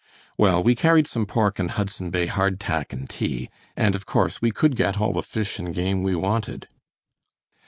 "Well, we carried some pork and Hudson Bay hard tack and tea, and of course, we could get all the fish and game we wanted."